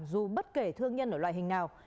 dù bất kể thương nhân ở loại hình nào